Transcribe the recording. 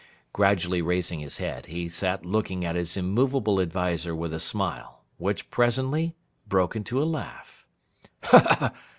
Gradually raising his head, he sat looking at his immovable adviser with a smile, which presently broke into a laugh.